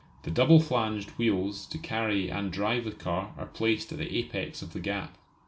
The double flanged wheels to carry and drive the car are placed at the apex of the gap.